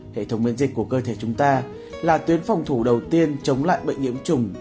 hệ thống miễn dịch của cơ thể chúng ta là tuyến phòng thủ đầu tiên chống lại bệnh nhiễm trùng